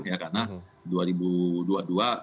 karena dua ribu dua puluh dua view nya sudah lebih jelas